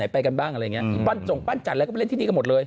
ไปกันบ้างอะไรอย่างเงี้ยปั้นจนก็เล่นที่นี่กันหมดเลย